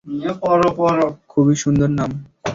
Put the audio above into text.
খুবই সুন্দর নাম।